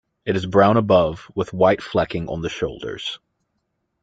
It is brown above, with white flecking on the shoulders.